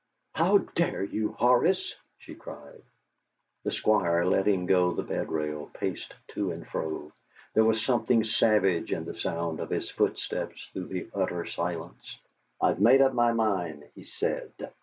"How dare you, Horace!" she cried. The Squire, letting go the bed rail, paced to and fro. There was something savage in the sound of his footsteps through the utter silence. "I've made up my mind," he said.